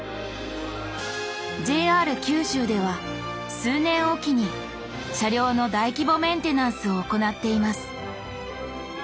ＪＲ九州では数年おきに車両の大規模メンテナンスを行っています。